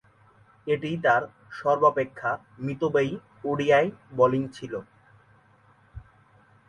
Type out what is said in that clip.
এটিই তার সর্বাপেক্ষা মিতব্যয়ী ওডিআই বোলিং ছিল।